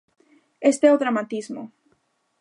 Este é o dramatismo.